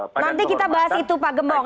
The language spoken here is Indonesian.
nanti kita bahas itu pak gembong